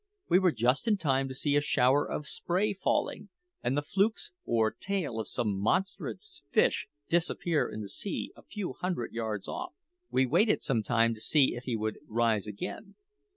We were just in time to see a shower of spray falling, and the flukes or tail of some monstrous fish disappear in the sea a few hundred yards off. We waited some time to see if he would rise again.